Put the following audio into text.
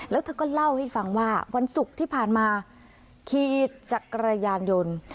แล้วเธอก็เล่าให้ฟังว่าวันศุกร์ที่ผ่านมาขี่จักรยานยนต์